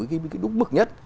cái đúng mức nhất